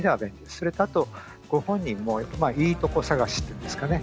それとあとご本人もいいとこ探しっていうんですかね。